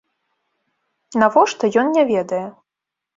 Навошта, ён не ведае.